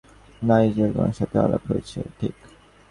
Nigel, তোমার সাথেও আলাপ হয়েছে, ঠিক?